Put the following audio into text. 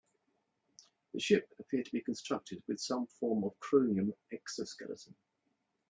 The ship appeared to be constructed with some form of chromium exoskeleton.